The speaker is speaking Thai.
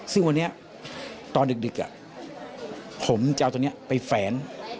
ซึ่งวันนี้ตอนดึกผมจะเอาตัวนี้ไปแฝน